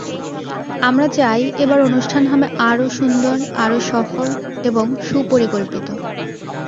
আমরা চাই, এবার অনুষ্ঠান হবে আরও সুন্দর আরও সফল এবং সুপরিকল্পিত।